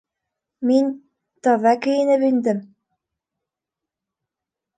Мин... таҙа кейенеп индем...